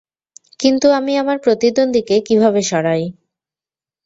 কিন্তু আমি আমার প্রতিদ্বন্দ্বীকে কীভাবে সরাই?